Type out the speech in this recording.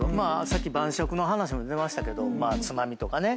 さっき晩酌の話も出ましたけどつまみとかね